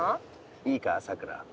いいかさくら。